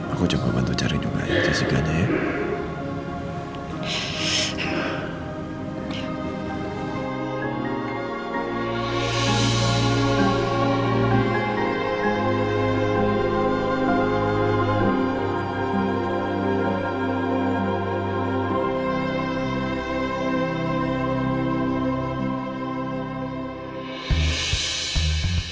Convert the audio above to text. aku coba bantu cari juga ya jessica nya ya